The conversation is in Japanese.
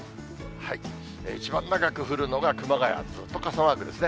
一番長く降るのが熊谷、ずっと傘マークですね。